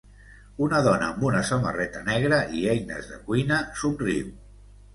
Una dona amb una samarreta negra i eines de cuina somriu.